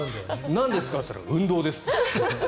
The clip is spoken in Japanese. なんですかそれって言ったら、運動ですって。